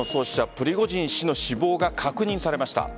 プリゴジン氏の死亡が確認されました。